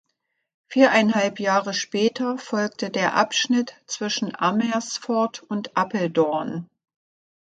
Viereinhalb Jahre später folgte der Abschnitt zwischen Amersfoort und Apeldoorn.